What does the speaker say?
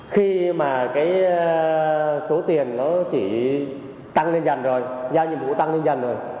khi mà cái số tiền nó chỉ tăng lên dần rồi giao nhiệm vụ tăng lên dần rồi